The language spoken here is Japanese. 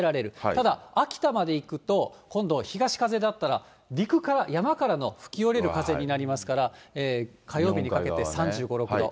ただ、秋田まで行くと、今度、東風だったら、陸から、山からの吹き降りる風になりますから、火曜日にかけて３５、６度。